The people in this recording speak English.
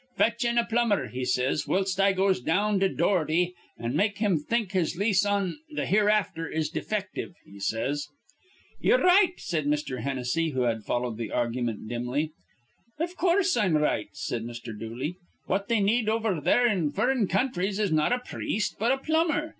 'Fetch in a plumber,' he says, 'whilst I goes down to Doherty, an' make him think his lease on th' hereafther is defective,' he says." "Ye're right," said Mr. Hennessy, who had followed the argument dimly. "Iv coorse I'm right," said Mr. Dooley. "What they need over there in furrin' counthries is not a priest, but a plumber.